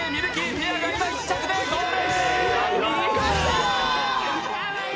ペアが今、１着でゴール！